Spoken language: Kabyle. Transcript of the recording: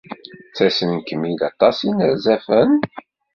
Ttasen-kem-id aṭas n yinerzafen?